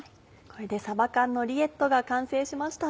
これでさば缶のリエットが完成しました。